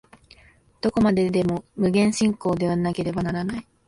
どこまでも無限進行でなければならない。